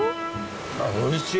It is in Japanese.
あおいしい！